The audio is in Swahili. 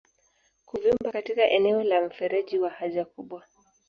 Kuvimba katika eneo la mfereji wa haja kubwa